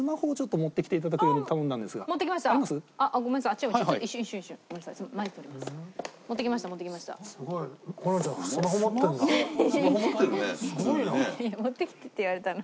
「持ってきて」って言われたの。